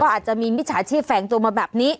อาจจะมีมิจฉาชีพแฝงตัวมาแบบนี้